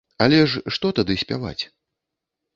Але ж што тады спяваць?